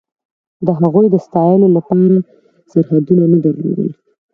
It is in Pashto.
د هغوی د ستایلو لپاره سرحدونه نه درلودل.